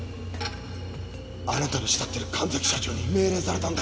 あなたの慕ってる神崎社長に命令されたんだ。